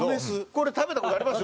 これ食べた事あります？